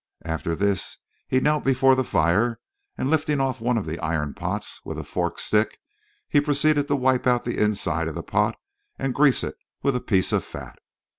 After this he knelt before the fire and, lifting off one of the iron pots with a forked stick, he proceeded to wipe out the inside of the pot and grease it with a piece of fat.